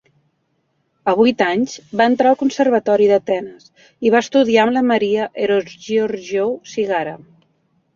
A vuit anys, va entrar al conservatori d'Atenes i va estudiar amb la Maria Herogiorgiou-Sigara.